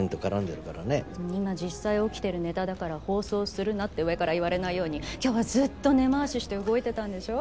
今実際起きてるネタだから放送するなって上から言われないように今日はずっと根回しして動いてたんでしょ？